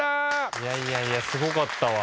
いやいやいやすごかったわ。